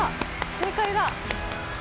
正解だ。